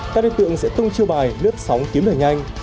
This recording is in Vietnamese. các đối tượng sẽ tung chiêu bài lướt sóng kiếm lời nhanh